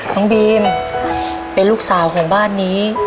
น้องบีมเป็นลูกสาวของบ้านนี้